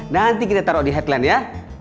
nanti kita taruh di headline ya